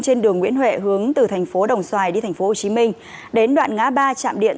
trên đường nguyễn huệ hướng từ tp đồng xoài đi tp hcm đến đoạn ngã ba chạm điện